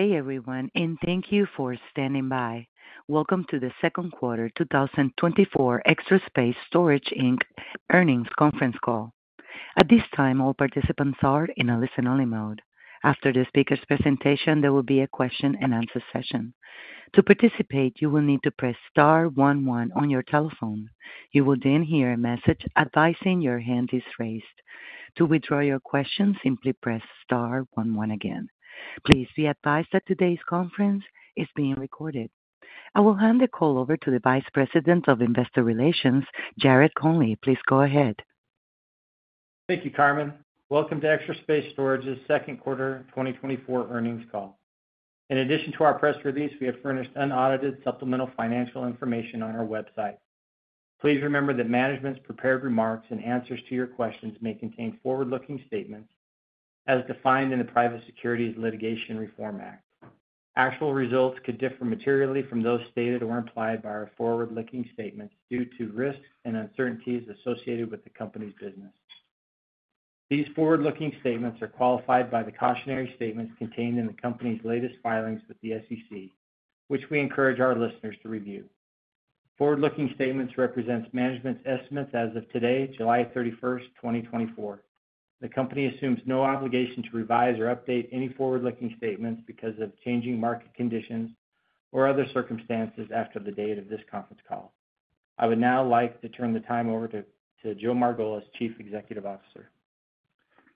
Hey, everyone, and thank you for standing by. Welcome to the second quarter 2024 Extra Space Storage Inc. Earnings Conference Call. At this time, all participants are in a listen-only mode. After the speaker's presentation, there will be a question-and-answer session. To participate, you will need to press star one one on your telephone. You will then hear a message advising your hand is raised. To withdraw your question, simply press star one one again. Please be advised that today's conference is being recorded. I will hand the call over to the Vice President of Investor Relations, Jared Conley. Please go ahead. Thank you, Carmen. Welcome to Extra Space Storage's Second Quarter 2024 Earnings Call. In addition to our press release, we have furnished unaudited supplemental financial information on our website. Please remember that management's prepared remarks and answers to your questions may contain forward-looking statements as defined in the Private Securities Litigation Reform Act. Actual results could differ materially from those stated or implied by our forward-looking statements due to risks and uncertainties associated with the company's business. These forward-looking statements are qualified by the cautionary statements contained in the company's latest filings with the SEC, which we encourage our listeners to review. Forward-looking statements represents management's estimates as of today, July 31, 2024. The company assumes no obligation to revise or update any forward-looking statements because of changing market conditions or other circumstances after the date of this conference call. I would now like to turn the time over to Joe Margolis, Chief Executive Officer.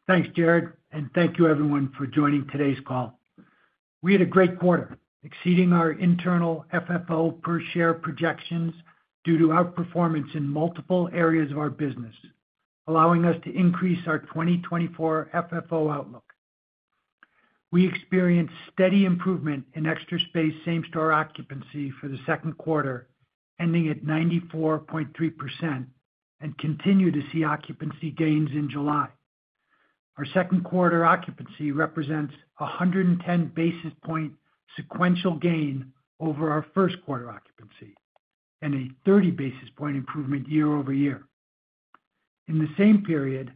Thanks, Jared, and thank you everyone for joining today's call. We had a great quarter, exceeding our internal FFO per share projections due to outperformance in multiple areas of our business, allowing us to increase our 2024 FFO outlook. We experienced steady improvement in Extra Space same-store occupancy for the second quarter, ending at 94.3%, and continue to see occupancy gains in July. Our second quarter occupancy represents a 110 basis point sequential gain over our first quarter occupancy and a 30 basis point improvement year-over-year. In the same period,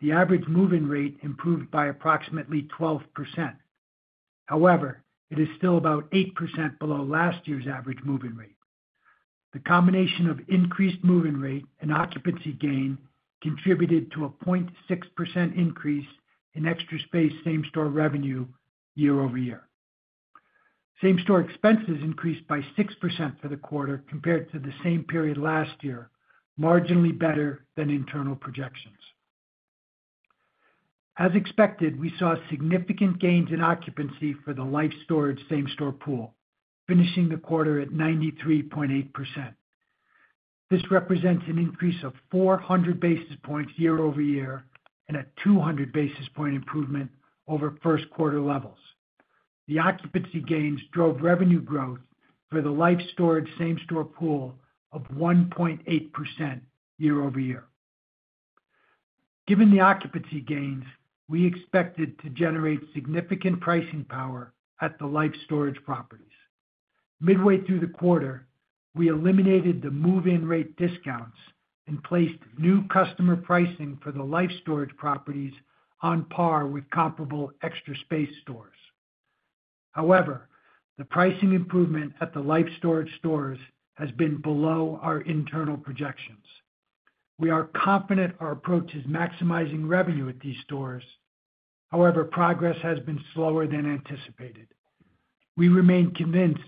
the average move-in rate improved by approximately 12%. However, it is still about 8%, below last year's average move-in rate. The combination of increased move-in rate and occupancy gain contributed to a 0.6%, increase in Extra Space same-store revenue year-over-year. Same-store expenses increased by 6%, for the quarter compared to the same period last year, marginally better than internal projections. As expected, we saw significant gains in occupancy for the Life Storage same-store pool, finishing the quarter at 93.8%. This represents an increase of 400 basis points year-over-year and a 200 basis point improvement over first quarter levels. The occupancy gains drove revenue growth for the Life Storage same-store pool of 1.8% year-over-year. Given the occupancy gains, we expected to generate significant pricing power at the Life Storage properties. Midway through the quarter, we eliminated the move-in rate discounts and placed new customer pricing for the Life Storage properties on par with comparable Extra Space stores. However, the pricing improvement at the Life Storage stores has been below our internal projections. We are confident our approach is maximizing revenue at these stores. However, progress has been slower than anticipated. We remain convinced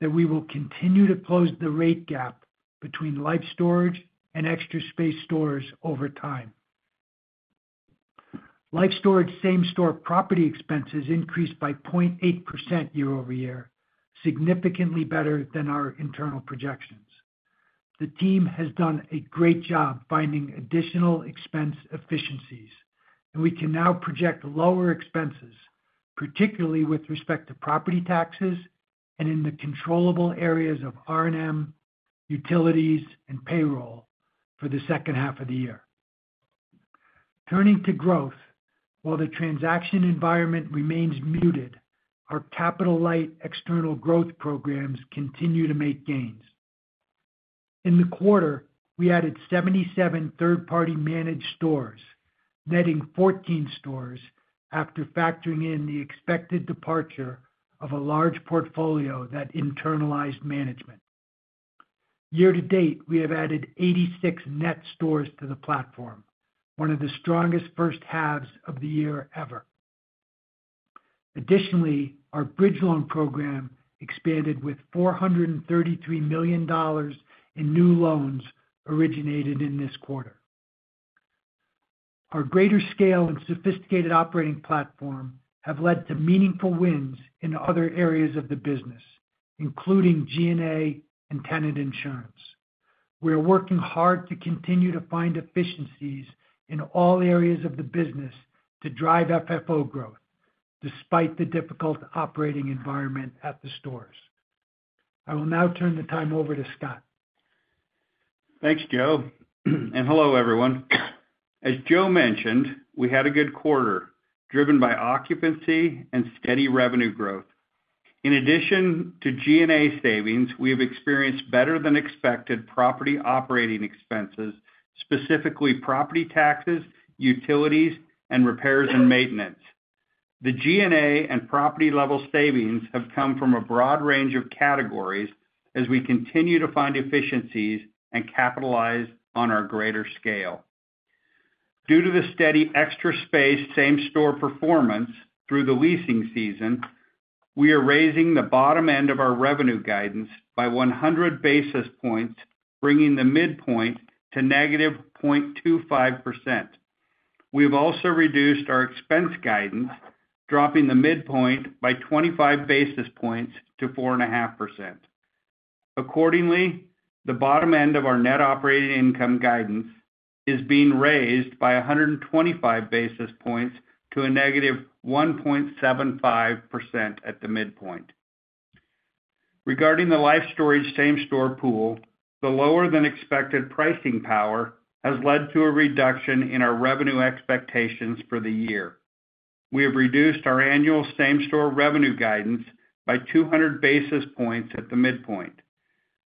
that we will continue to close the rate gap between Life Storage and Extra Space stores over time. Life Storage same-store property expenses increased by 0.8% year-over-year, significantly better than our internal projections. The team has done a great job finding additional expense efficiencies, and we can now project lower expenses, particularly with respect to property taxes and in the controllable areas of R&M, utilities, and payroll for the second half of the year. Turning to growth, while the transaction environment remains muted, our capital-light external growth programs continue to make gains. In the quarter, we added 77 third-party managed stores, netting 14 stores after factoring in the expected departure of a large portfolio that internalized management. Year to date, we have added 86 net stores to the platform, one of the strongest first halves of the year ever. Additionally, our bridge loan program expanded with $433 million in new loans originated in this quarter. Our greater scale and sophisticated operating platform have led to meaningful wins in other areas of the business, including G&A and tenant insurance. We are working hard to continue to find efficiencies in all areas of the business to drive FFO growth, despite the difficult operating environment at the stores. I will now turn the time over to Scott. Thanks, Joe, and hello, everyone. As Joe mentioned, we had a good quarter, driven by occupancy and steady revenue growth. In addition to G&A savings, we have experienced better-than-expected property operating expenses, specifically property taxes, utilities, and repairs and maintenance. ... The G&A and property level savings have come from a broad range of categories as we continue to find efficiencies and capitalize on our greater scale. Due to the steady Extra Space same-store performance through the leasing season, we are raising the bottom end of our revenue guidance by 100 basis points, bringing the midpoint to -0.25%. We've also reduced our expense guidance, dropping the midpoint by 25 basis points to 4.5%. Accordingly, the bottom end of our net operating income guidance is being raised by 125 basis points to -1.75% at the midpoint. Regarding the Life Storage same-store pool, the lower than expected pricing power has led to a reduction in our revenue expectations for the year. We have reduced our annual same-store revenue guidance by 200 basis points at the midpoint.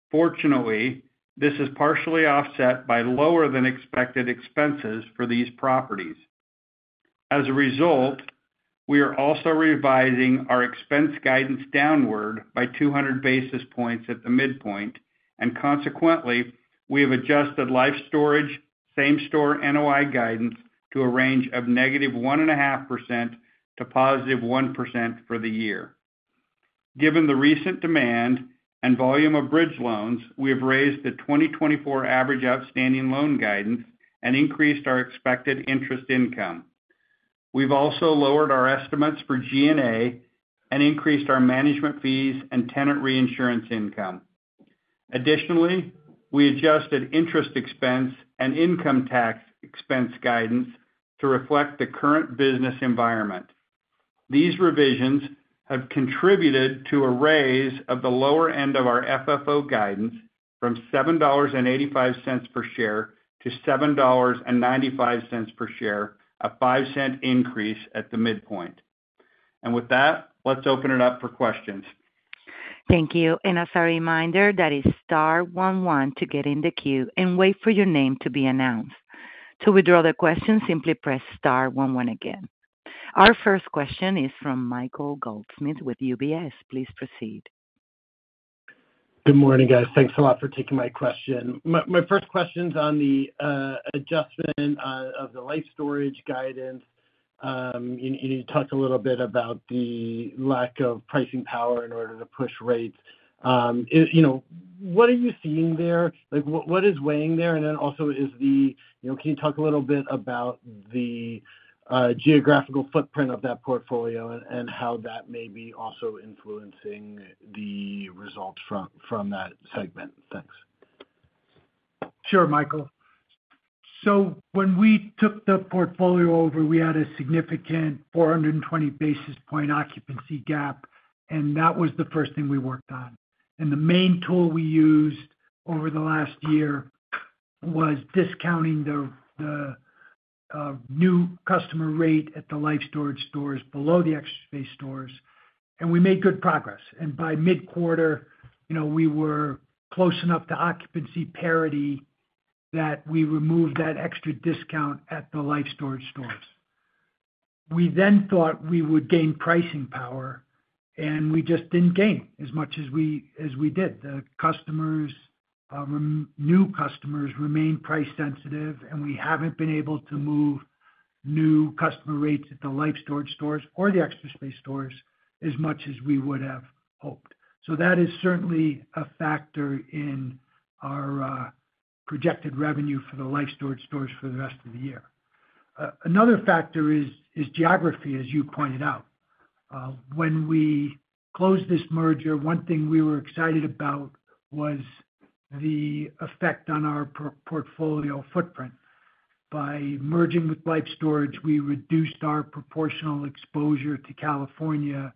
Fortunately, this is partially offset by lower than expected expenses for these properties. As a result, we are also revising our expense guidance downward by 200 basis points at the midpoint, and consequently, we have adjusted Life Storage same-store NOI guidance to a range of -1.5% to +1% for the year. Given the recent demand and volume of bridge loans, we have raised the 2024 average outstanding loan guidance and increased our expected interest income. We've also lowered our estimates for G&A and increased our management fees and tenant reinsurance income. Additionally, we adjusted interest expense and income tax expense guidance to reflect the current business environment. These revisions have contributed to a raise of the lower end of our FFO guidance from $7.85 per share to $7.95 per share, a $0.05 increase at the midpoint. With that, let's open it up for questions. Thank you. As a reminder, that is star one one to get in the queue and wait for your name to be announced. To withdraw the question, simply press star one one again. Our first question is from Michael Goldsmith with UBS. Please proceed. Good morning, guys. Thanks a lot for taking my question. My first question is on the adjustment of the Life Storage guidance. And you talked a little bit about the lack of pricing power in order to push rates. Is, you know, what are you seeing there? Like, what is weighing there? And then also, you know, can you talk a little bit about the geographical footprint of that portfolio and how that may be also influencing the results from that segment? Thanks. Sure, Michael. So when we took the portfolio over, we had a significant 420 basis point occupancy gap, and that was the first thing we worked on. And the main tool we used over the last year was discounting the new customer rate at the Life Storage stores below the Extra Space stores, and we made good progress. And by mid-quarter, you know, we were close enough to occupancy parity that we removed that extra discount at the Life Storage stores. We then thought we would gain pricing power, and we just didn't gain as much as we did. The customers, new customers remained price sensitive, and we haven't been able to move new customer rates at the Life Storage stores or the Extra Space stores as much as we would have hoped. So that is certainly a factor in our projected revenue for the Life Storage stores for the rest of the year. Another factor is geography, as you pointed out. When we closed this merger, one thing we were excited about was the effect on our portfolio footprint. By merging with Life Storage, we reduced our proportional exposure to California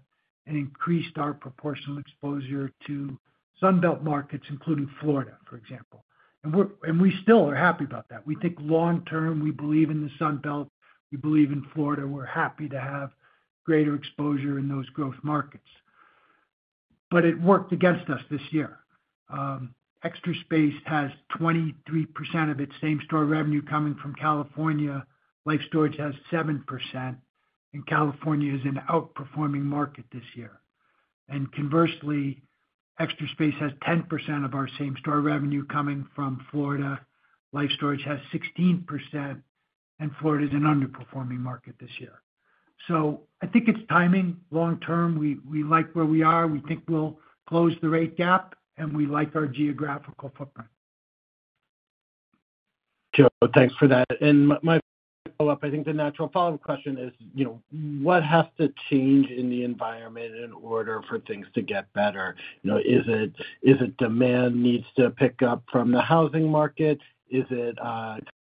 and increased our proportional exposure to Sun Belt markets, including Florida, for example. And we still are happy about that. We think long term, we believe in the Sun Belt, we believe in Florida, we're happy to have greater exposure in those growth markets. But it worked against us this year. Extra Space has 23%, of its same-store revenue coming from California, Life Storage has 7%, and California is an outperforming market this year. And conversely, Extra Space has 10%, of our same-store revenue coming from Florida, Life Storage has 16%, and Florida is an underperforming market this year. So I think it's timing. Long term, we, we like where we are, we think we'll close the rate gap, and we like our geographical footprint. Sure. Thanks for that. And my, my follow-up, I think the natural follow-up question is, you know, what has to change in the environment in order for things to get better? You know, is it, is it demand needs to pick up from the housing market? Is it,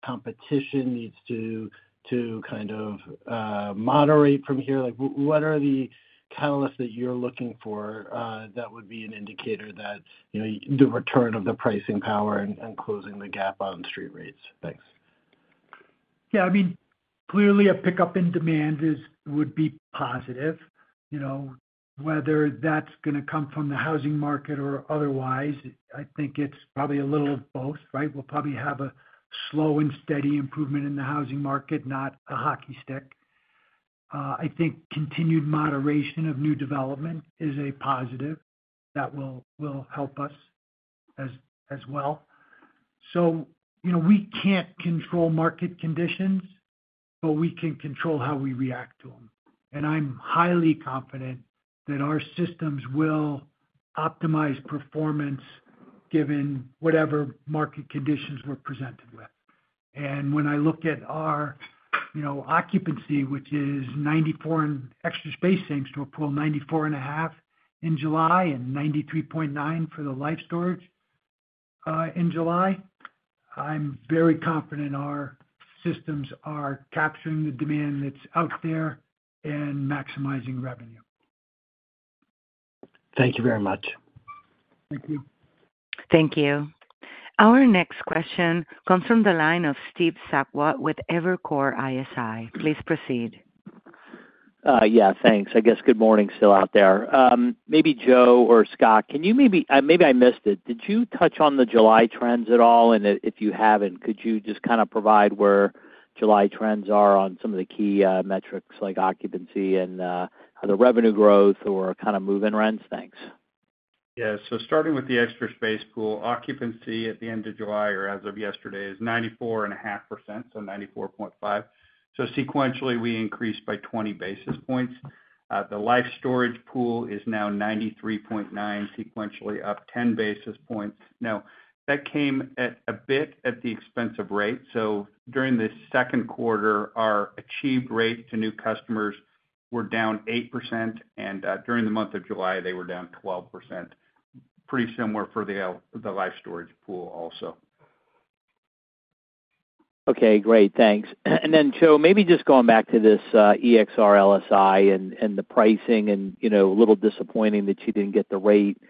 competition needs to, to kind of, moderate from here? Like, what are the catalysts that you're looking for, that would be an indicator that, you know, the return of the pricing power and, and closing the gap on street rates? Thanks. Yeah, I mean, clearly a pickup in demand would be positive. You know, whether that's gonna come from the housing market or otherwise, I think it's probably a little of both, right? We'll probably have a slow and steady improvement in the housing market, not a hockey stick. I think continued moderation of new development is a positive that will help us as well. So, you know, we can't control market conditions, but we can control how we react to them. And I'm highly confident that our systems will optimize performance, given whatever market conditions we're presented with. When I look at our, you know, occupancy, which is 94 in Extra Space inching to a full 94.5 in July and 93.9 for the Life Storage in July, I'm very confident our systems are capturing the demand that's out there and maximizing revenue. Thank you very much. Thank you. Thank you. Our next question comes from the line of Steve Sakwa with Evercore ISI. Please proceed. Yeah, thanks. I guess, good morning still out there. Maybe Joe or Scott, can you maybe—maybe I missed it, did you touch on the July trends at all? And if you haven't, could you just kind of provide where July trends are on some of the key, metrics like occupancy and, the revenue growth or kind of move-in rents? Thanks. Yeah. So starting with the Extra Space pool, occupancy at the end of July, or as of yesterday, is 94.5%, so 94.5. So sequentially, we increased by 20 basis points. The Life Storage pool is now 93.9, sequentially up 10 basis points. Now, that came at a bit at the expense of rate. So during the second quarter, our achieved rate to new customers were down 8%, and during the month of July, they were down 12%. Pretty similar for the Life Storage pool also. Okay, great. Thanks. And then, Joe, maybe just going back to this, EXR LSI and, and the pricing and, you know, a little disappointing that you didn't get the rate.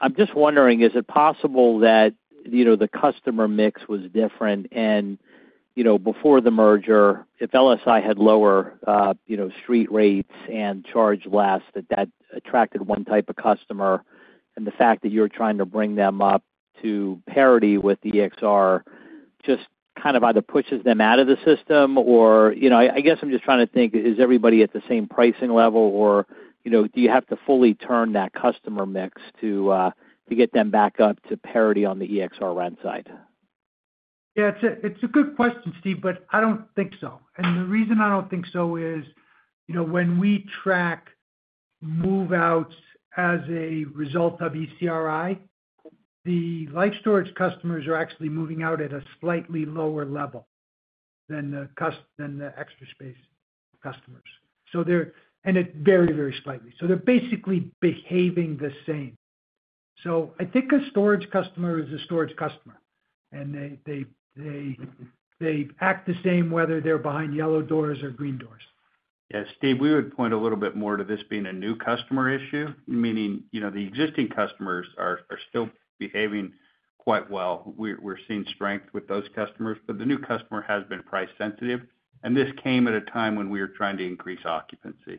I'm just wondering, is it possible that, you know, the customer mix was different and, you know, before the merger, if LSI had lower, you know, street rates and charged less, that that attracted one type of customer, and the fact that you're trying to bring them up to parity with EXR, just kind of either pushes them out of the system or... You know, I, I guess I'm just trying to think, is everybody at the same pricing level, or, you know, do you have to fully turn that customer mix to, to get them back up to parity on the EXR rent side? Yeah, it's a good question, Steve, but I don't think so. The reason I don't think so is, you know, when we track move-outs as a result of ECRI, the Life Storage customers are actually moving out at a slightly lower level than the Extra Space customers. So they're, and it's very, very slightly. So they're basically behaving the same. So I think a storage customer is a storage customer, and they act the same whether they're behind yellow doors or green doors. Yeah, Steve, we would point a little bit more to this being a new customer issue, meaning, you know, the existing customers are still behaving quite well. We're seeing strength with those customers, but the new customer has been price sensitive, and this came at a time when we were trying to increase occupancy.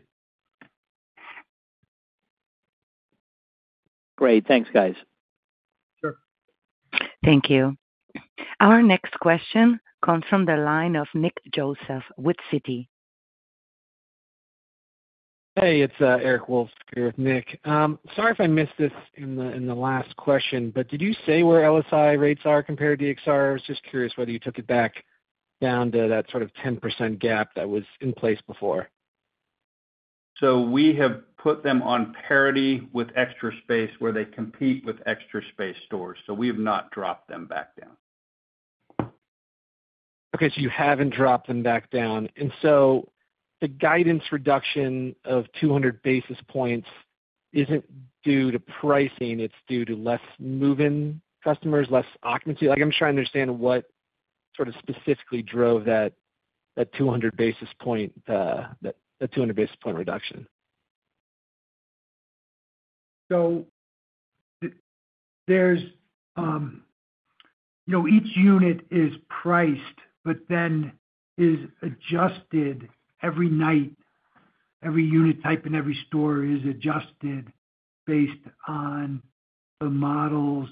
Great. Thanks, guys. Sure. Thank you. Our next question comes from the line of Nick Joseph with Citi. Hey, it's Eric Wolfe here with Nick. Sorry if I missed this in the, in the last question, but did you say where LSI rates are compared to EXR? I was just curious whether you took it back down to that sort of 10% gap that was in place before. So we have put them on parity with Extra Space where they compete with Extra Space stores, so we have not dropped them back down. Okay, so you haven't dropped them back down. And so the guidance reduction of 200 basis points isn't due to pricing, it's due to less move-in customers, less occupancy? Like, I'm trying to understand what sort of specifically drove that, that 200 basis point, the, the 200 basis point reduction. So there's, you know, each unit is priced, but then is adjusted every night. Every unit type in every store is adjusted based on the model's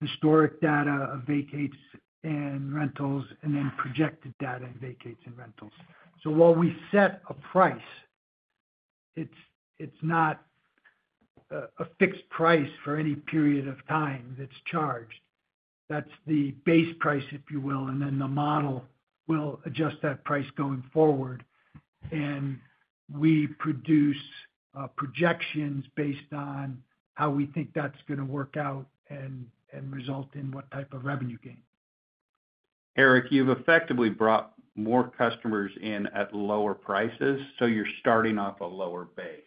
historic data of vacates and rentals, and then projected data and vacates and rentals. So while we set a price, it's not a fixed price for any period of time that's charged. That's the base price, if you will, and then the model will adjust that price going forward. And we produce projections based on how we think that's gonna work out and result in what type of revenue gain. Eric, you've effectively brought more customers in at lower prices, so you're starting off a lower base,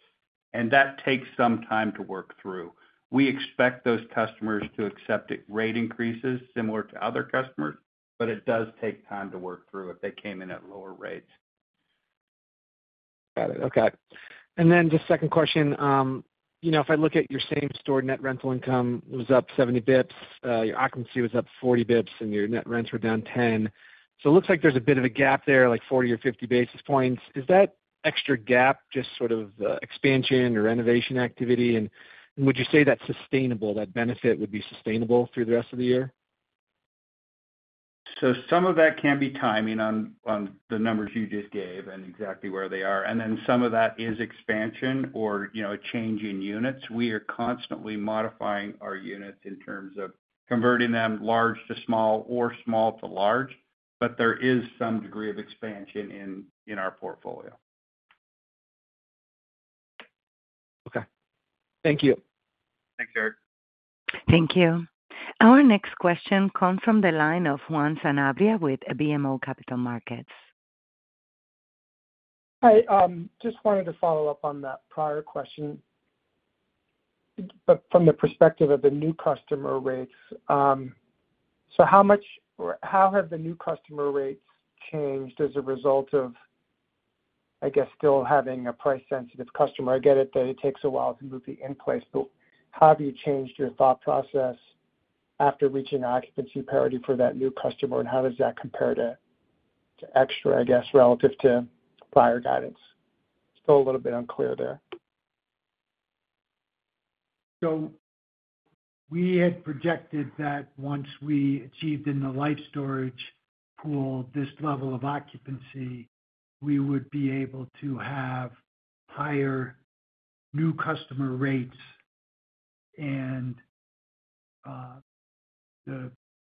and that takes some time to work through. We expect those customers to accept rate increases similar to other customers, but it does take time to work through if they came in at lower rates. Got it. Okay. And then just second question. You know, if I look at your same-store net rental income was up 70 basis points, your occupancy was up 40 basis points, and your net rents were down 10. So it looks like there's a bit of a gap there, like 40 or 50 basis points. Is that extra gap just sort of, expansion or renovation activity? And would you say that's sustainable, that benefit would be sustainable through the rest of the year? So some of that can be timing on, on the numbers you just gave and exactly where they are, and then some of that is expansion or, you know, a change in units. We are constantly modifying our units in terms of converting them large to small or small to large, but there is some degree of expansion in, in our portfolio. Okay. Thank you. Thanks, Eric. Thank you. Our next question comes from the line of Juan Sanabria with BMO Capital Markets. Hi, just wanted to follow up on that prior question, but from the perspective of the new customer rates. So how have the new customer rates changed as a result of, I guess, still having a price-sensitive customer? I get it that it takes a while to move the in place, but how have you changed your thought process after reaching occupancy parity for that new customer, and how does that compare to Extra, I guess, relative to prior guidance? Still a little bit unclear there. So we had projected that once we achieved in the Life Storage pool this level of occupancy, we would be able to have higher new customer rates, and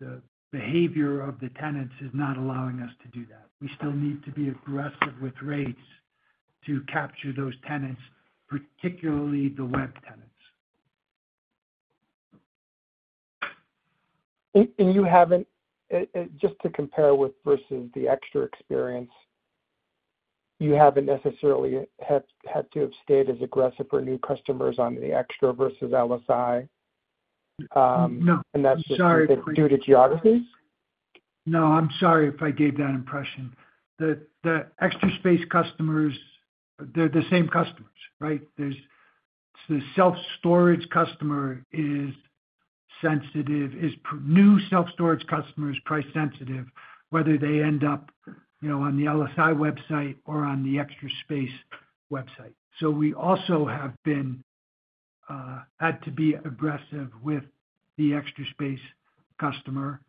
the behavior of the tenants is not allowing us to do that. We still need to be aggressive with rates to capture those tenants, particularly the web tenants. Just to compare with versus the Extra Space, you haven't necessarily had to have stayed as aggressive for new customers on the Extra versus LSI? No, I'm sorry. That's just due to geographies? No, I'm sorry if I gave that impression. The Extra Space customers, they're the same customers, right? There's the self-storage customer is sensitive, new self-storage customer is price sensitive, whether they end up, you know, on the LSI website or on the Extra Space website. So we also have been, had to be aggressive with the Extra Space customer,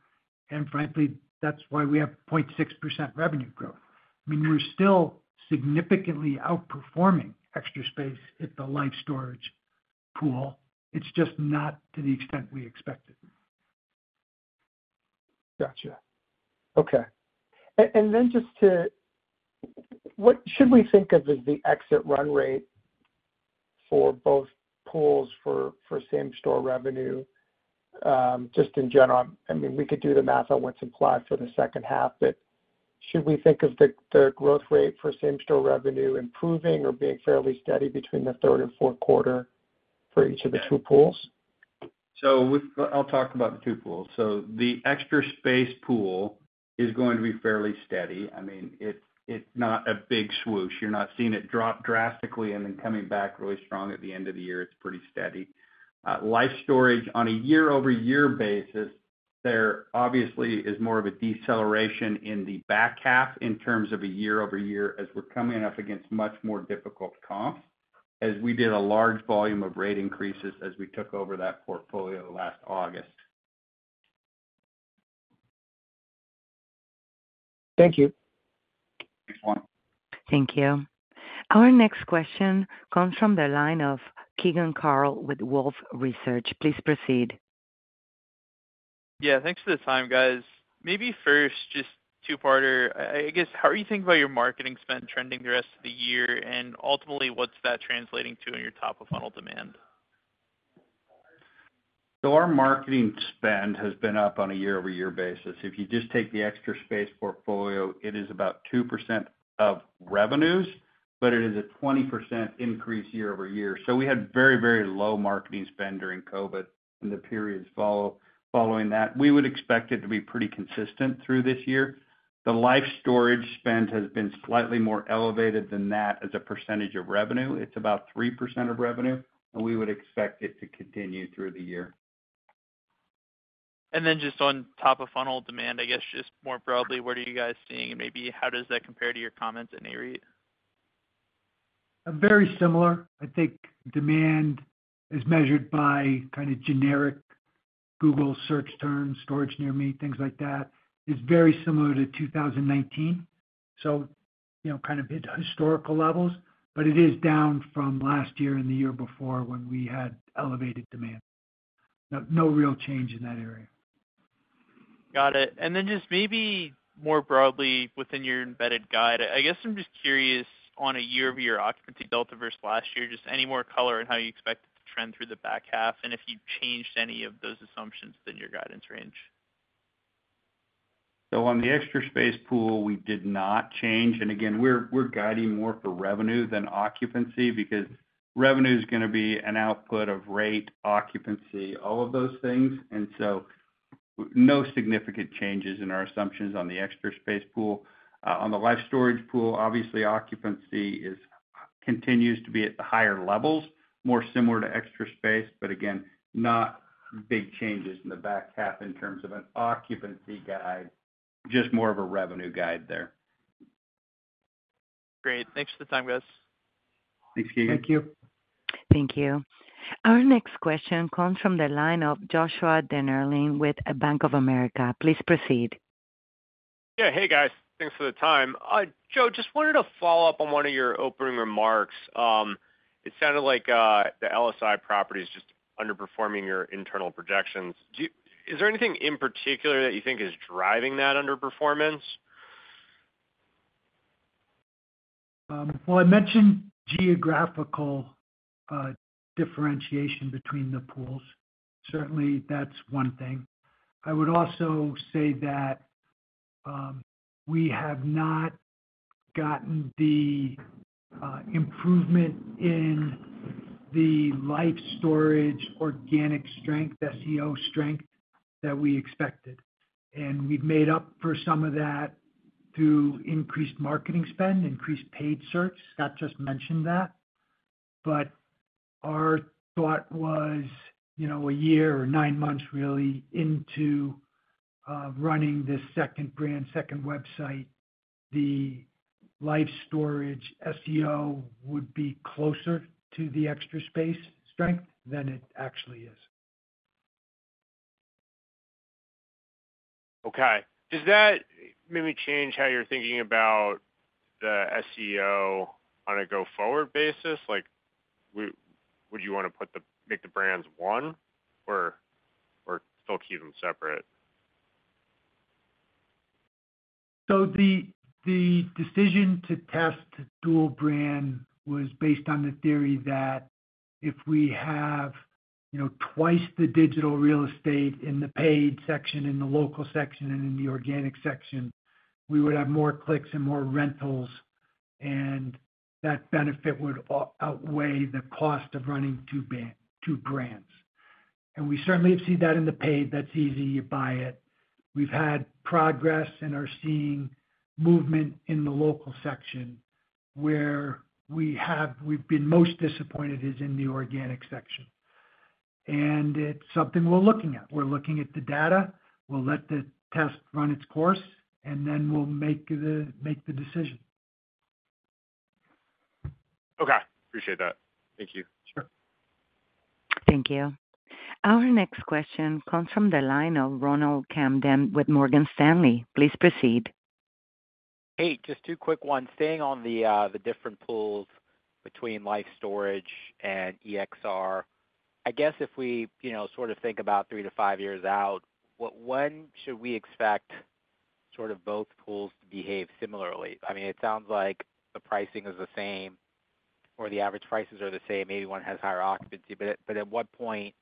and frankly, that's why we have 0.6% revenue growth. I mean, we're still significantly outperforming Extra Space at the Life Storage pool. It's just not to the extent we expected. Gotcha. Okay. And, and then just to... What should we think of as the exit run rate for both pools for, for same-store revenue, just in general? I mean, we could do the math on what's implied for the second half, but should we think of the, the growth rate for same-store revenue improving or being fairly steady between the third and fourth quarter for each of the two pools? I'll talk about the two pools. The Extra Space pool is going to be fairly steady. I mean, it's, it's not a big swoosh. You're not seeing it drop drastically and then coming back really strong at the end of the year. It's pretty steady. Life Storage, on a year-over-year basis, there obviously is more of a deceleration in the back half in terms of a year-over-year, as we're coming up against much more difficult comps, as we did a large volume of rate increases as we took over that portfolio last August. Thank you. Thanks, Juan. Thank you. Our next question comes from the line of Keegan Carl with Wolfe Research. Please proceed. Yeah, thanks for the time, guys. Maybe first, just two-parter. I, I guess, how are you thinking about your marketing spend trending the rest of the year? And ultimately, what's that translating to in your top-of-funnel demand? So our marketing spend has been up on a year-over-year basis. If you just take the Extra Space portfolio, it is about 2% of revenues, but it is a 20%, increase year-over-year. So we had very, very low marketing spend during COVID in the periods following that. We would expect it to be pretty consistent through this year. The Life Storage spend has been slightly more elevated than that as a percentage of revenue. It's about 3% of revenue, and we would expect it to continue through the year. And then just on top-of-funnel demand, I guess, just more broadly, what are you guys seeing, and maybe how does that compare to your comments in Nareit? Very similar. I think demand is measured by kind of generic Google search terms, storage near me, things like that. It's very similar to 2019, so you know, kind of hit historical levels, but it is down from last year and the year before when we had elevated demand. No, no real change in that area. Got it. And then just maybe more broadly, within your embedded guide, I guess I'm just curious, on a year-over-year occupancy delta versus last year, just any more color on how you expect it to trend through the back half, and if you've changed any of those assumptions in your guidance range? So on the Extra Space pool, we did not change. And again, we're guiding more for revenue than occupancy, because revenue is gonna be an output of rate, occupancy, all of those things. And so no significant changes in our assumptions on the Extra Space pool. On the Life Storage pool, obviously, occupancy continues to be at the higher levels, more similar to Extra Space, but again, not big changes in the back half in terms of an occupancy guide, just more of a revenue guide there. Great. Thanks for the time, guys. Thanks, Keegan. Thank you. Thank you. Our next question comes from the line of Joshua Dennerlein with Bank of America. Please proceed. Yeah. Hey, guys. Thanks for the time. Joe, just wanted to follow up on one of your opening remarks. It sounded like the LSI property is just underperforming your internal projections. Do you. Is there anything in particular that you think is driving that underperformance? Well, I mentioned geographical differentiation between the pools. Certainly, that's one thing. I would also say that we have not gotten the improvement in the Life Storage organic strength, the SEO strength, that we expected. And we've made up for some of that through increased marketing spend, increased paid search. Scott just mentioned that. But our thought was, you know, a year or nine months, really, into running this second brand, second website, the Life Storage SEO would be closer to the Extra Space strength than it actually is. Okay. Does that maybe change how you're thinking about the SEO on a go-forward basis? Like, would you want to put the, make the brands one or still keep them separate? So the decision to test dual brand was based on the theory that if we have, you know, twice the digital real estate in the paid section, in the local section, and in the organic section, we would have more clicks and more rentals, and that benefit would outweigh the cost of running two brands. And we certainly see that in the paid. That's easy. You buy it. We've had progress and are seeing movement in the local section, where we've been most disappointed is in the organic section. And it's something we're looking at. We're looking at the data. We'll let the test run its course, and then we'll make the decision. Okay. Appreciate that. Thank you. Sure. Thank you. Our next question comes from the line of Ronald Kamdem with Morgan Stanley. Please proceed. Hey, just two quick ones. Staying on the, the different pools between Life Storage and EXR. I guess, if we, you know, sort of think about 3-5 years out, when should we expect sort of both pools to behave similarly? I mean, it sounds like the pricing is the same or the average prices are the same. Maybe one has higher occupancy, but at what point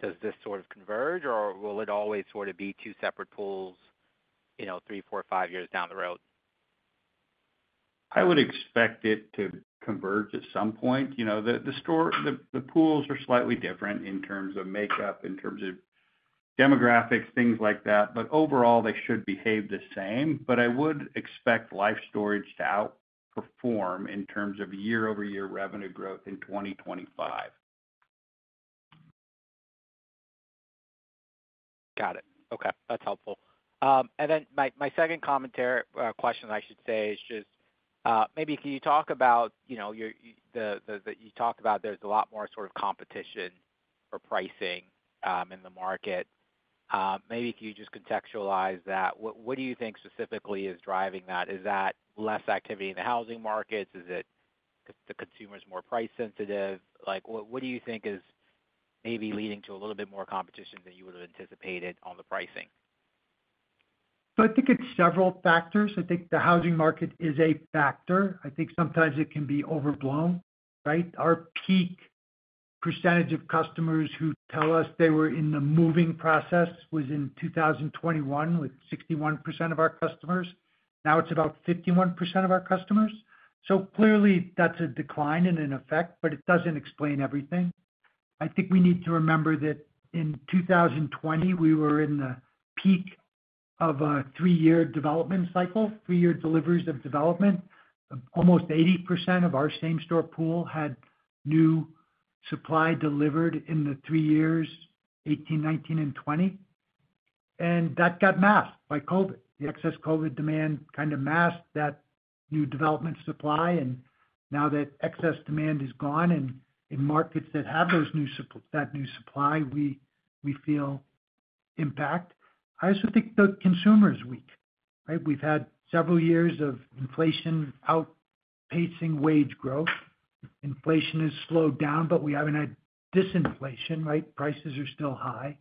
does this sort of converge, or will it always sort of be two separate pools, you know, 3, 4, 5 years down the road? I would expect it to converge at some point. You know, the store. The pools are slightly different in terms of makeup, in terms of demographics, things like that, but overall, they should behave the same. But I would expect Life Storage to outperform in terms of year-over-year revenue growth in 2025. Got it. Okay, that's helpful. And then my second commentary, question, I should say, is just maybe can you talk about, you know, your you talked about there's a lot more sort of competition for pricing in the market. Maybe can you just contextualize that? What do you think specifically is driving that? Is that less activity in the housing markets? Is it the consumer is more price sensitive? Like, what do you think is maybe leading to a little bit more competition than you would have anticipated on the pricing? So I think it's several factors. I think the housing market is a factor. I think sometimes it can be overblown, right? Our peak percentage of customers who tell us they were in the moving process was in 2021, with 61% of our customers. Now it's about 51% of our customers. So clearly, that's a decline and an effect, but it doesn't explain everything. I think we need to remember that in 2020, we were in the peak of a three-year development cycle, three-year deliveries of development. Almost 80% of our same store pool had new supply delivered in the three years, 2018, 2019, and 2020, and that got masked by COVID. The excess COVID demand kind of masked that new development supply, and now that excess demand is gone and in markets that have those new supply, we feel impact. I also think the consumer is weak, right? We've had several years of inflation outpacing wage growth. Inflation has slowed down, but we haven't had disinflation, right? Prices are still high.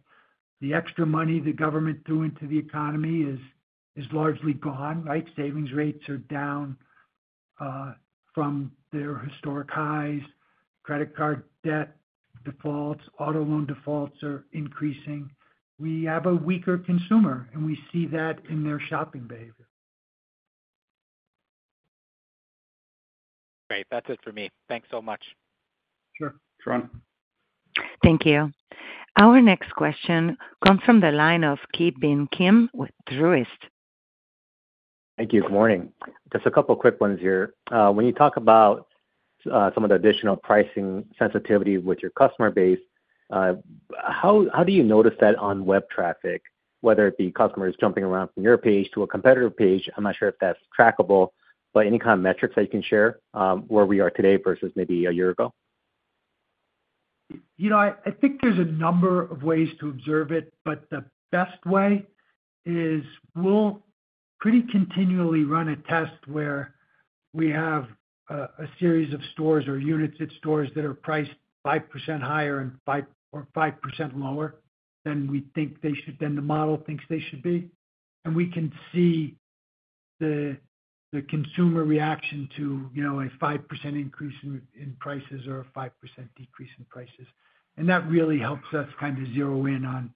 The extra money the government threw into the economy is largely gone, right? Savings rates are down from their historic highs. Credit card debt defaults, auto loan defaults are increasing. We have a weaker consumer, and we see that in their shopping behavior. ... Great. That's it for me. Thanks so much. Sure. Ron. Thank you. Our next question comes from the line of Ki Bin Kim with Truist. Thank you. Good morning. Just a couple quick ones here. When you talk about some of the additional pricing sensitivity with your customer base, how do you notice that on web traffic, whether it be customers jumping around from your page to a competitor page? I'm not sure if that's trackable, but any kind of metrics that you can share, where we are today versus maybe a year ago. You know, I think there's a number of ways to observe it, but the best way is we'll pretty continually run a test where we have a series of stores or units at stores that are priced 5% higher and 5% lower than we think they should—than the model thinks they should be. And we can see the consumer reaction to, you know, a 5% increase in prices or a 5% decrease in prices. And that really helps us kind of zero in on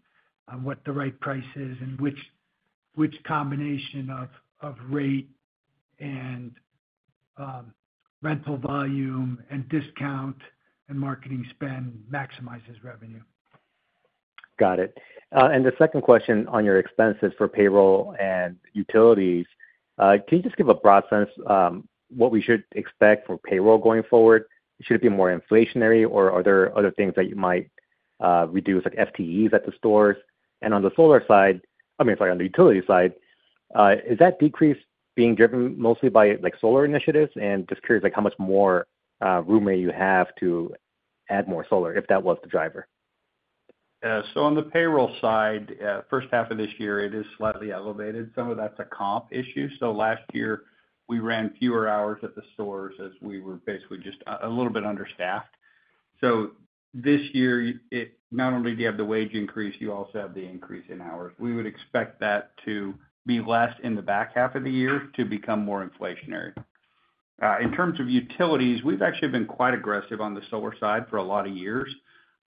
what the right price is and which combination of rate and rental volume and discount and marketing spend maximizes revenue. Got it. And the second question on your expenses for payroll and utilities, can you just give a broad sense, what we should expect for payroll going forward? Should it be more inflationary, or are there other things that you might reduce, like FTEs at the stores? And on the solar side—I mean, sorry, on the utility side, is that decrease being driven mostly by, like, solar initiatives? And just curious, like, how much more room may you have to add more solar, if that was the driver. So on the payroll side, first half of this year, it is slightly elevated. Some of that's a comp issue. So last year, we ran fewer hours at the stores as we were basically just a little bit understaffed. So this year, it—not only do you have the wage increase, you also have the increase in hours. We would expect that to be less in the back half of the year to become more inflationary. In terms of utilities, we've actually been quite aggressive on the solar side for a lot of years.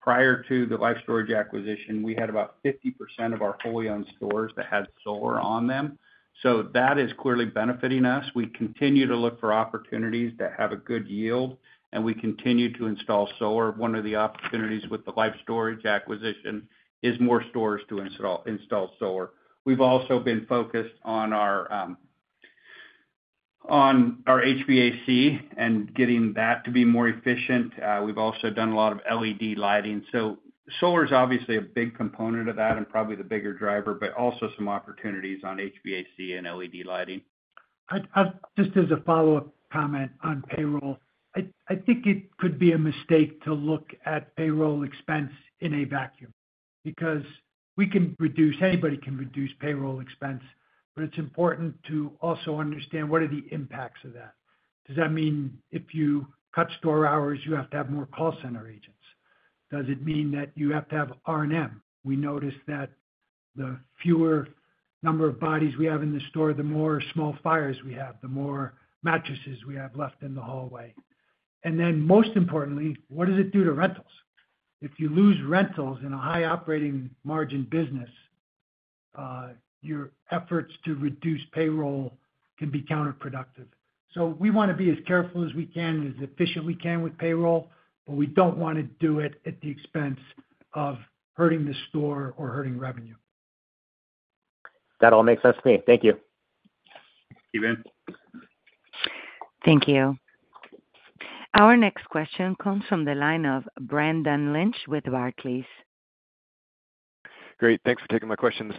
Prior to the Life Storage acquisition, we had about 50% of our wholly owned stores that had solar on them. So that is clearly benefiting us. We continue to look for opportunities that have a good yield, and we continue to install solar. One of the opportunities with the Life Storage acquisition is more stores to install solar. We've also been focused on our HVAC and getting that to be more efficient. We've also done a lot of LED lighting. So solar is obviously a big component of that and probably the bigger driver, but also some opportunities on HVAC and LED lighting. Just as a follow-up comment on payroll, I think it could be a mistake to look at payroll expense in a vacuum, because we can reduce, anybody can reduce payroll expense, but it's important to also understand what are the impacts of that. Does that mean if you cut store hours, you have to have more call center agents? Does it mean that you have to have R&M? We notice that the fewer number of bodies we have in the store, the more small fires we have, the more mattresses we have left in the hallway. And then, most importantly, what does it do to rentals? If you lose rentals in a high operating margin business, your efforts to reduce payroll can be counterproductive. So we wanna be as careful as we can and as efficient we can with payroll, but we don't wanna do it at the expense of hurting the store or hurting revenue. That all makes sense to me. Thank you. Thank you. Thank you. Our next question comes from the line of Brendan Lynch with Barclays. Great, thanks for taking my questions.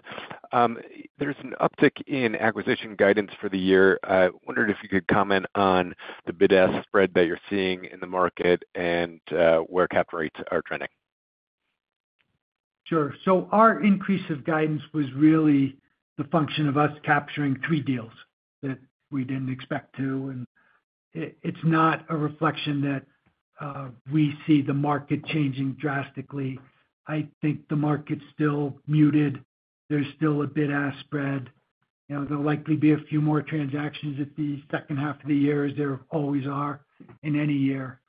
There's an uptick in acquisition guidance for the year. I wondered if you could comment on the bid-ask spread that you're seeing in the market and where cap rates are trending? Sure. So our increase of guidance was really the function of us capturing three deals that we didn't expect to, and it's not a reflection that we see the market changing drastically. I think the market's still muted. There's still a bid-ask spread. You know, there'll likely be a few more transactions at the second half of the year, as there always are in any year.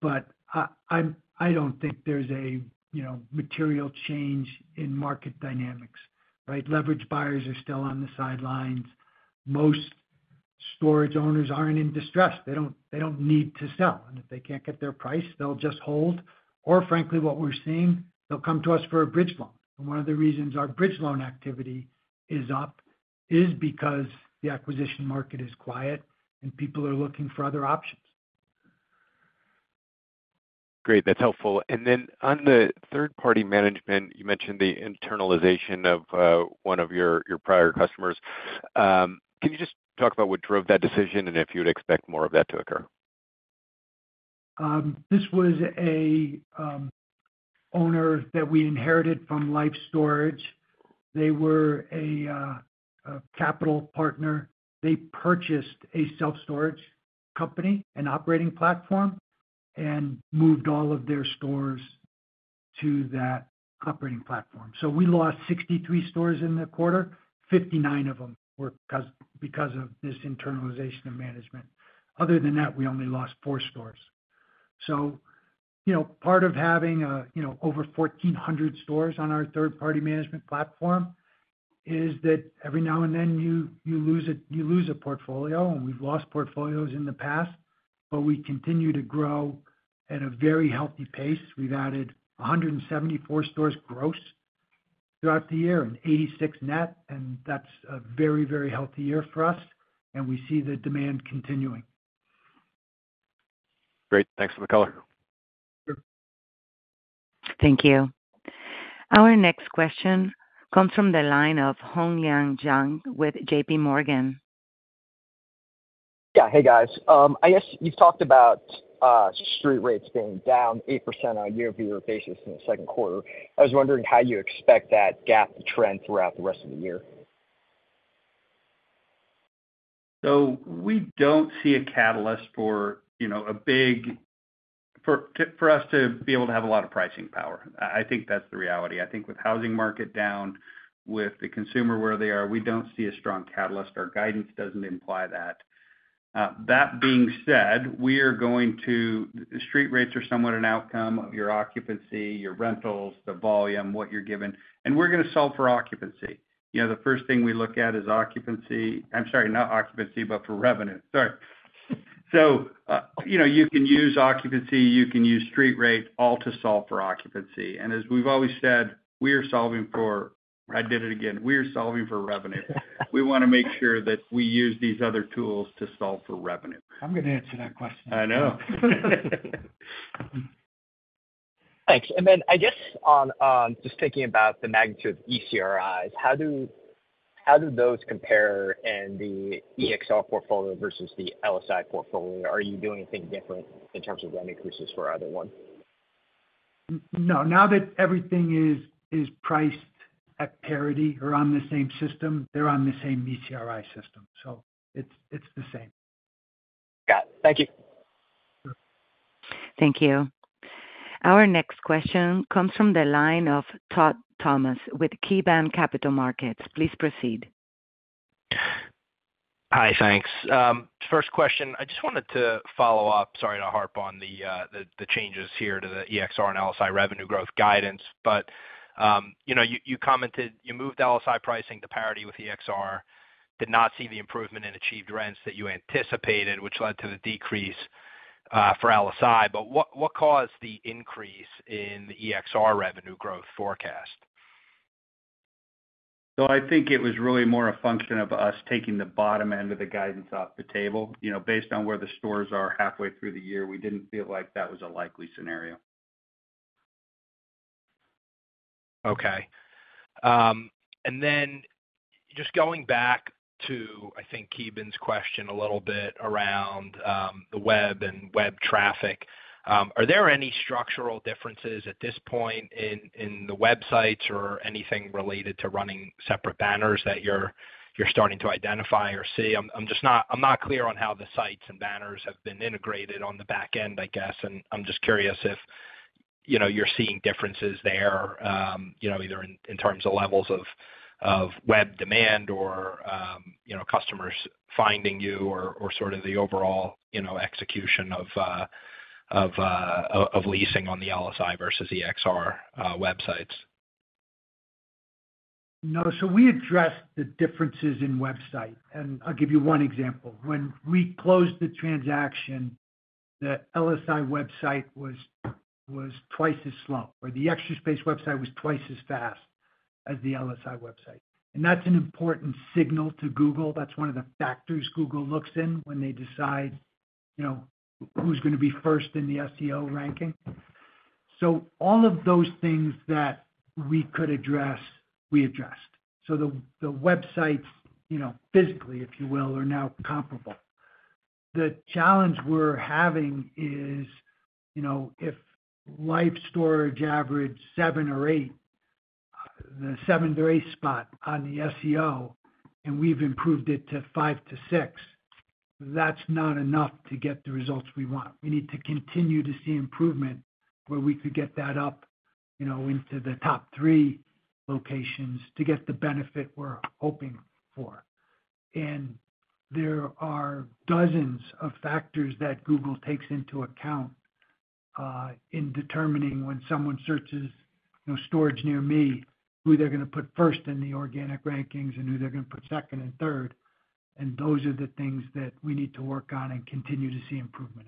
But I don't think there's a, you know, material change in market dynamics, right? Leverage buyers are still on the sidelines. Most storage owners aren't in distress. They don't need to sell, and if they can't get their price, they'll just hold. Or frankly, what we're seeing, they'll come to us for a bridge loan. One of the reasons our bridge loan activity is up is because the acquisition market is quiet, and people are looking for other options. Great, that's helpful. On the third-party management, you mentioned the internalization of one of your prior customers. Can you just talk about what drove that decision and if you'd expect more of that to occur? This was an owner that we inherited from Life Storage. They were a capital partner. They purchased a self-storage company, an operating platform, and moved all of their stores to that operating platform. So we lost 63 stores in the quarter, 59 of them were because of this internalization of management. Other than that, we only lost four stores. So, you know, part of having over 1,400 stores on our third-party management platform is that every now and then you lose a portfolio, and we've lost portfolios in the past, but we continue to grow at a very healthy pace. We've added 174 stores gross throughout the year, and 86 net, and that's a very, very healthy year for us, and we see the demand continuing. Great. Thanks for the color. Thank you. Our next question comes from the line of Hongliang Zhang with J.P. Morgan. Yeah. Hey, guys. I guess you've talked about street rates being down 8% on a year-over-year basis in the second quarter. I was wondering how you expect that gap to trend throughout the rest of the year? So we don't see a catalyst for, you know, a big for us to be able to have a lot of pricing power. I, I think that's the reality. I think with housing market down, with the consumer where they are, we don't see a strong catalyst. Our guidance doesn't imply that. That being said, we are going to... Street rates are somewhat an outcome of your occupancy, your rentals, the volume, what you're given, and we're gonna solve for occupancy. You know, the first thing we look at is occupancy. I'm sorry, not occupancy, but for revenue. Sorry. So, you know, you can use occupancy, you can use street rate, all to solve for occupancy. And as we've always said, we are solving for... I did it again, we are solving for revenue. We wanna make sure that we use these other tools to solve for revenue. I'm gonna answer that question. I know. Thanks. And then, I guess on, just thinking about the magnitude of ECRIs, how do those compare i n the EXL portfolio versus the LSI portfolio? Are you doing anything different in terms of rent increases for either one? No. Now that everything is priced at parity or on the same system, they're on the same ECRI system, so it's the same. Got it. Thank you. Thank you. Our next question comes from the line of Todd Thomas with KeyBanc Capital Markets. Please proceed. Hi, thanks. First question, I just wanted to follow up, sorry to harp on the changes here to the EXR and LSI revenue growth guidance, but you know, you commented you moved LSI pricing to parity with EXR, did not see the improvement in achieved rents that you anticipated, which led to the decrease for LSI. But what caused the increase in the EXR revenue growth forecast? So I think it was really more a function of us taking the bottom end of the guidance off the table. You know, based on where the stores are halfway through the year, we didn't feel like that was a likely scenario. Okay. And then just going back to, I think, Keegan's question a little bit around the web and web traffic, are there any structural differences at this point in the websites or anything related to running separate banners that you're starting to identify or see? I'm just not clear on how the sites and banners have been integrated on the back end, I guess, and I'm just curious if, you know, you're seeing differences there, you know, either in terms of levels of web demand or, you know, customers finding you or sort of the overall, you know, execution of leasing on the LSI versus EXR websites. No, so we addressed the differences in website, and I'll give you one example. When we closed the transaction, the LSI website was twice as slow, or the Extra Space website was twice as fast as the LSI website. And that's an important signal to Google. That's one of the factors Google looks in when they decide, you know, who's gonna be first in the SEO ranking. So all of those things that we could address, we addressed. So the websites, you know, physically, if you will, are now comparable. The challenge we're having is, you know, if Life Storage average 7 or 8, the 7th or 8th spot on the SEO, and we've improved it to 5-6, that's not enough to get the results we want. We need to continue to see improvement, where we could get that up, you know, into the top three locations to get the benefit we're hoping for. There are dozens of factors that Google takes into account in determining when someone searches, you know, storage near me, who they're gonna put first in the organic rankings and who they're gonna put second and third, and those are the things that we need to work on and continue to see improvement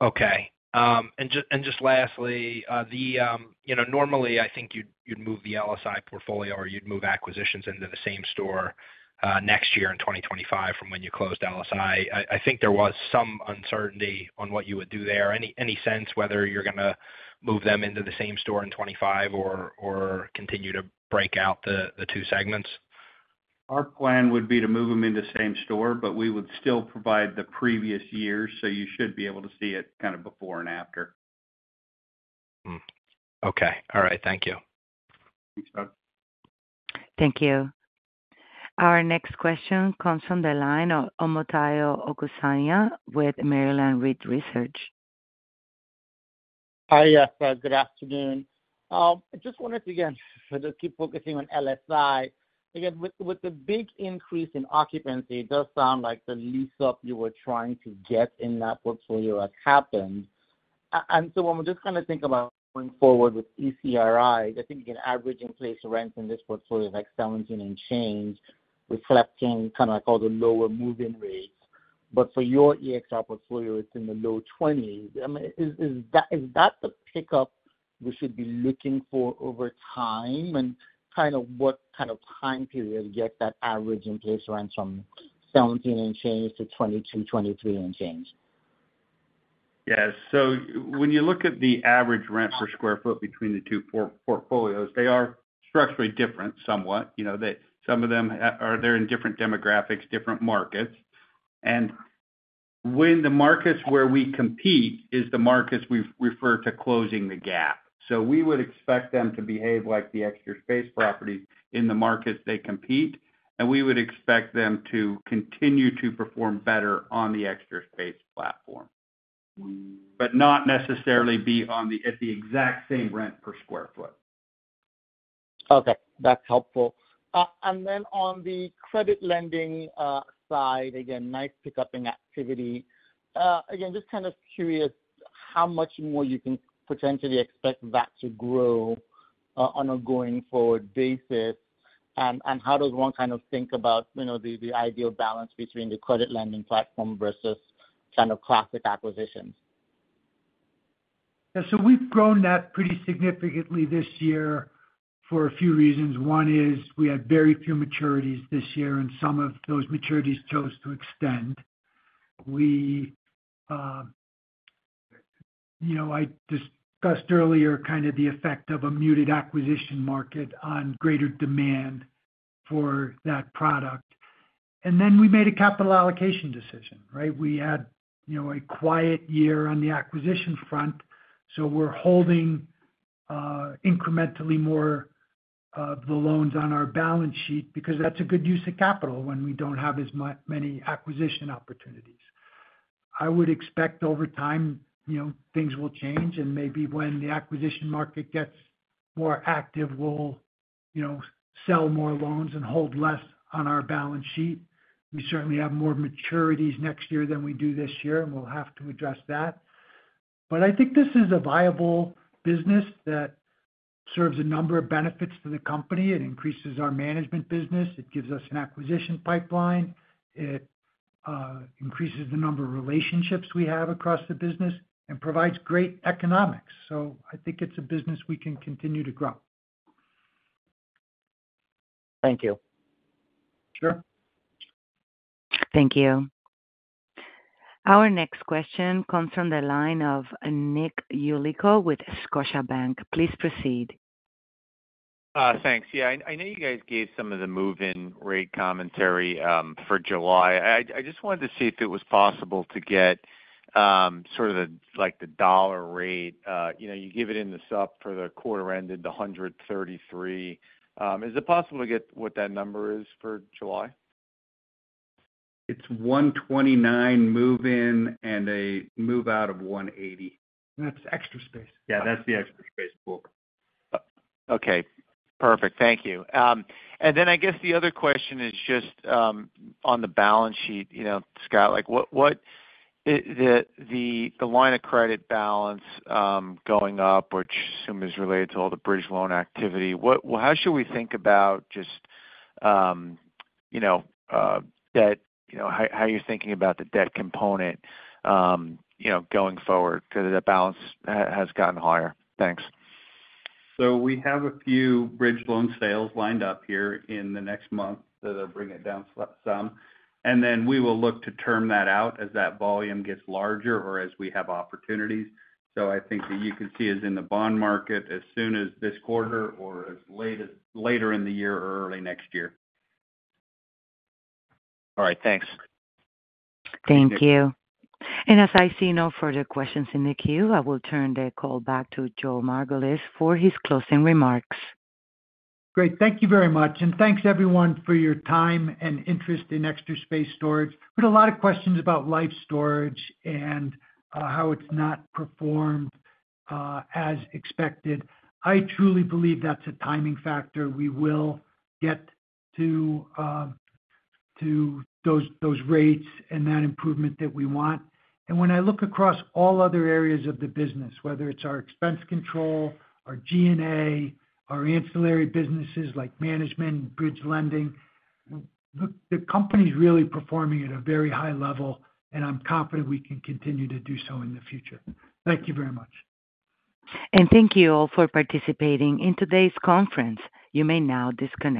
in. Okay. And just lastly, the... You know, normally, I think you'd, you'd move the LSI portfolio or you'd move acquisitions into the same-store next year in 2025 from when you closed LSI. I think there was some uncertainty on what you would do there. Any sense whether you're gonna move them into the same-store in 2025 or continue to break out the two segments? Our plan would be to move them in the same store, but we would still provide the previous year, so you should be able to see it kind of before and after. Hmm. Okay. All right, thank you. Thanks, Todd. Thank you. Our next question comes from the line of Omotayo Okusanya with Deutsche Bank.... Hi, yes, good afternoon. I just wanted to, again, just keep focusing on LSI. Again, with, with the big increase in occupancy, it does sound like the lease-up you were trying to get in that portfolio has happened. And so when we just kind of think about going forward with ECRI, I think an average in-place rent in this portfolio is, like, 17 and change, reflecting kind of, like, all the lower move-in rates. But for your EXR portfolio, it's in the low 20s. I mean, is, is that, is that the pickup we should be looking for over time? And kind of what kind of time period get that average in-place rent from 17 and change to 22, 23 and change? Yes. So when you look at the average rent per square foot between the two portfolios, they are structurally different somewhat. You know, they, some of them are there in different demographics, different markets. And when the markets where we compete is the markets we refer to closing the gap. So we would expect them to behave like the Extra Space properties in the markets they compete, and we would expect them to continue to perform better on the Extra Space platform, but not necessarily be on the, at the exact same rent per square foot. Okay, that's helpful. And then on the credit lending side, again, nice pickup in activity. Again, just kind of curious how much more you can potentially expect that to grow on a going forward basis. And how does one kind of think about, you know, the ideal balance between the credit lending platform versus kind of classic acquisitions? Yeah, so we've grown that pretty significantly this year for a few reasons. One is we had very few maturities this year, and some of those maturities chose to extend. We, you know, I discussed earlier kind of the effect of a muted acquisition market on greater demand for that product. And then we made a capital allocation decision, right? We had, you know, a quiet year on the acquisition front, so we're holding, incrementally more of the loans on our balance sheet, because that's a good use of capital when we don't have as many acquisition opportunities. I would expect over time, you know, things will change, and maybe when the acquisition market gets more active, we'll, you know, sell more loans and hold less on our balance sheet. We certainly have more maturities next year than we do this year, and we'll have to address that. But I think this is a viable business that serves a number of benefits to the company. It increases our management business, it gives us an acquisition pipeline, it increases the number of relationships we have across the business and provides great economics. So I think it's a business we can continue to grow. Thank you. Sure. Thank you. Our next question comes from the line of Nick Yulico with Scotiabank. Please proceed. Thanks. Yeah, I know you guys gave some of the move-in rate commentary for July. I just wanted to see if it was possible to get sort of the, like, the dollar rate. You know, you give it in the supp for the quarter ended 133. Is it possible to get what that number is for July? It's 129 move in and a move out of 180. That's Extra Space. Yeah, that's the Extra Space book. Okay, perfect. Thank you. And then I guess the other question is just on the balance sheet, you know, Scott, like, what is the line of credit balance going up, which I assume is related to all the bridge loan activity. What, how should we think about just, you know, debt? You know, how are you thinking about the debt component, you know, going forward? Because the balance has gotten higher. Thanks. So we have a few bridge loan sales lined up here in the next month that'll bring it down some, and then we will look to term that out as that volume gets larger or as we have opportunities. So I think that you can see us in the bond market as soon as this quarter or as late as later in the year or early next year. All right, thanks. Thank you. As I see no further questions in the queue, I will turn the call back to Joe Margolis for his closing remarks. Great. Thank you very much, and thanks everyone for your time and interest in Extra Space Storage. We had a lot of questions about Life Storage and how it's not performed as expected. I truly believe that's a timing factor. We will get to those rates and that improvement that we want. And when I look across all other areas of the business, whether it's our expense control, our G&A, our ancillary businesses like management and bridge lending, the company's really performing at a very high level, and I'm confident we can continue to do so in the future. Thank you very much. Thank you all for participating in today's conference. You may now disconnect.